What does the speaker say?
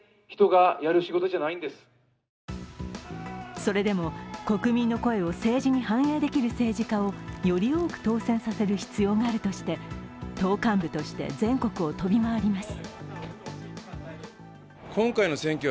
それでも国民の声を政治に反映できる政治家をより多く当選させる必要があるとして、党幹部として全国を飛び回ります。